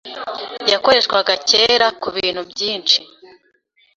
yakoreshwaga kera ku bintu byinshi